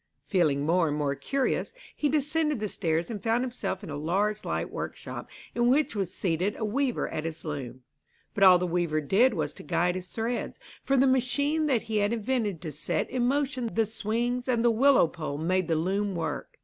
Feeling more and more curious, he descended the stairs and found himself in a large light workshop in which was seated a weaver at his loom. But all the weaver did was to guide his threads, for the machine that he had invented to set in motion the swings and the willow pole made the loom work.